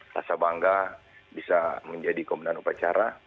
rasa bangga bisa menjadi komandan upacara